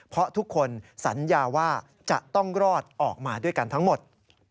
เพราะทุกคนสัญญาว่าจะต้องรอดออกมาด้วยกันทั้งหมด